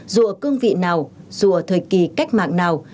dù ở cương vị nào dù ở thời kỳ cách mạng nào